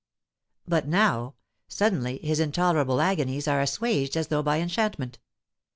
But now, suddenly, his intolerable agonies are assuaged as though by enchantment.